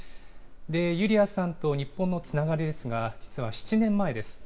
ユリヤさんと日本のつながりですが、実は７年前です。